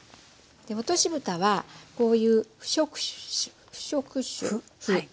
落としぶたはこういう不織布。